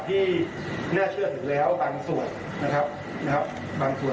ที่แน่เชื่อถึงแล้วบางส่วนนะครับ